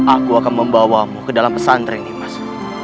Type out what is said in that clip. aku akan membawamu ke dalam pesantren nimas